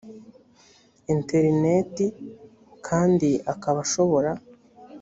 interineti kandi akaba ashobora